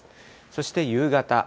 そして夕方。